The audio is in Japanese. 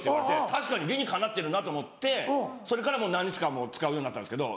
確かに理にかなってるなと思ってそれからもう何日間も使うようになったんですけど。